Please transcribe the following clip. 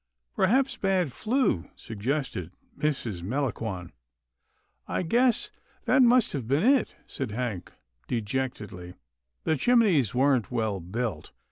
" Perhaps bad flue," suggested Mrs. Melangon. " I guess that must have been it," said Hank, de jectedly. " The chimneys weren't well built.